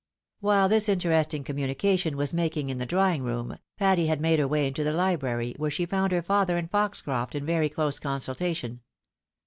While this interesting communication was making in the drawing room, Patty had made her way into the hbrary, where she found her father and Foxcroft in very close consultation.